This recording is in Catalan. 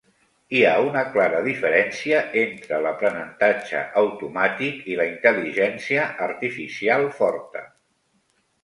Hi ha una clara diferència entre l'aprenentatge automàtic i la intel·ligència artificial forta.